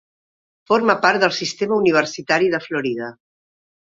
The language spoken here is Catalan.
Forma part del sistema universitari de Florida.